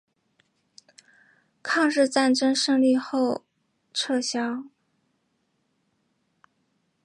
抗日战争胜利后撤销。